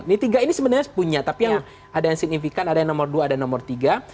ini tiga ini sebenarnya punya tapi yang ada yang signifikan ada yang nomor dua ada nomor tiga